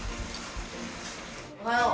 おはよう。